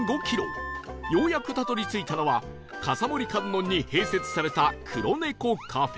ようやくたどり着いたのは笠森観音に併設されたくろねこ ＣＡＦＥ